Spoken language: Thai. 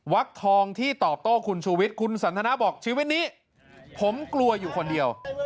วักทองที่ตอบโต้คุณชูวิทย์คุณสันทนาบอกชีวิตนี้ผมกลัวอยู่คนเดียว